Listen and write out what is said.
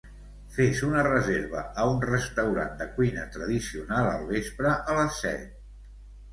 Fes una reserva a un restaurant de cuina tradicional al vespre, a les set.